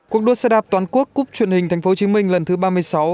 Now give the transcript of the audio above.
cuộc đua xe đạp toàn quốc cúp truyền hình thành phố hồ chí minh lần thứ ba mươi sáu